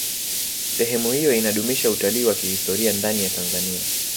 sehemu hiyo inadumisha utalii wa kihistoria ndani ya tanzania